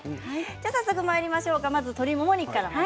早速まいりましょう。